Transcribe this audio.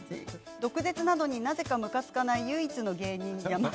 毒舌なのになぜかむかつかない唯一の芸人、山内。